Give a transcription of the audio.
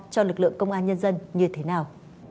cho lực lượng công an nhân dân như thế nào